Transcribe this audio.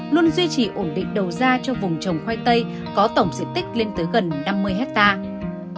luôn duy trì ổn định đầu ra cho vùng trồng khoai tây có tổng diện tích lên tới gần năm mươi hectare